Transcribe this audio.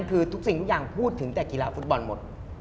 คือทุกสิ่งทุกอย่างพูดถึงแต่กีฬาฟุตบอลหมด